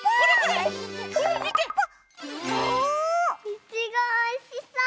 いちごおいしそう！